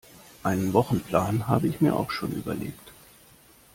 Einen Wochenplan habe ich mir auch schon überlegt